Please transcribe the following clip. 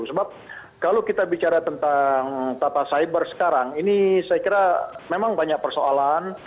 sebab kalau kita bicara tentang tata cyber sekarang ini saya kira memang banyak persoalan